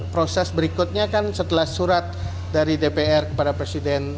proses berikutnya kan setelah surat dari dpr kepada presiden